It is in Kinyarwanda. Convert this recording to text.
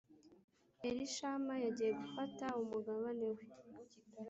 Elishama yagiye gufata umugabane we